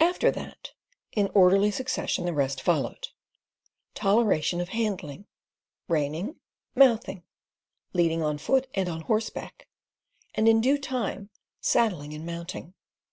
After that, in orderly succession the rest followed: toleration of handling, reining, mouthing, leading on foot, and on horseback and in due time saddling and mounting.